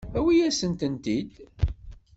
Awit-asent-tent-id.